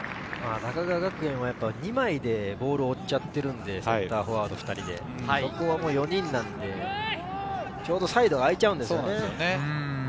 高川学園は２枚でボールを追っちゃっているので、サッカーフォワード２人でそこは４人なんでちょうどサイドが空いちゃうんですよね。